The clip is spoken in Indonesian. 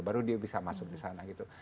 baru dia bisa masuk di sana gitu